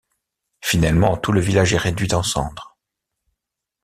Finalement, tout le village est réduit en cendres.